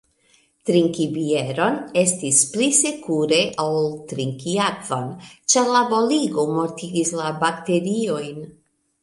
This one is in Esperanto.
Trinki bieron estis pli sekure ol trinki akvon, ĉar la boligo mortigis la bakteriojn.